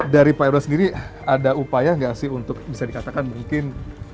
dari pak erla sendiri ada upaya nggak sih untuk bisa dikatakan mungkin